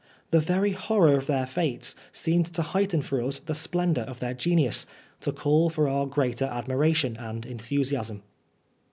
The very horror of their fates seemed to heighten for us the splendour of their genius, to call for our greater admir ation and enthusiasm.